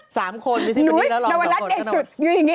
สามคนไหนนวรัสเอกสุดอยู่อย่างนี้